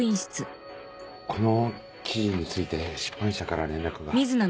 この記事について出版社から連絡が。